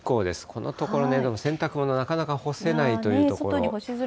このところ洗濯物、なかなか干せないというところ。